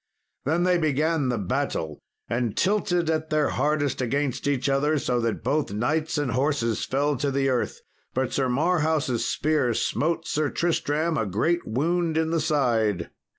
Then they began the battle, and tilted at their hardest against each other, so that both knights and horses fell to the earth. But Sir Marhaus' spear smote Sir Tristram a great wound in the side.